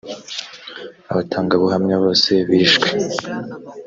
abatangabuhamya bose bishwe